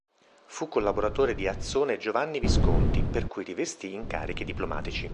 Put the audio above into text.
Fu collaboratore di Azzone e Giovanni Visconti per cui rivestì incarichi diplomatici.